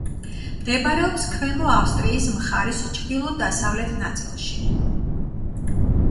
მდებარეობს ქვემო ავსტრიის მხარის ჩრდილო-დასავლეთ ნაწილში.